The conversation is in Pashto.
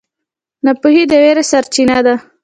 ناپوهي د وېرې سرچینه ده.